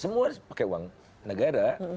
semua pakai uang negara